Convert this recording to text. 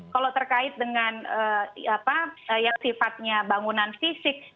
kalau terkait dengan yang sifatnya bangunan fisik